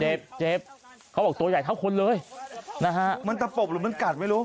เจ็บเจ็บเขาบอกตัวใหญ่เท่าคนเลยนะฮะมันตะปบหรือมันกัดไม่รู้